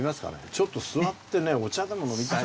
ちょっと座ってねお茶でも飲みたい。